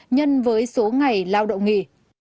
nhân với số ngày lao động nghỉ